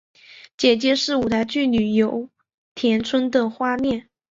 姐姐是舞台剧女优田村花恋。